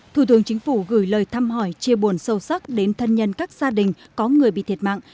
thủ tướng chính phủ gửi lời thăm hỏi chia buồn sâu sắc đến thân nhân các gia đình có người bị thiệt mạng